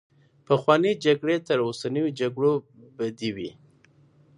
پخوانۍ جګړې تر اوسنيو جګړو بدې وې.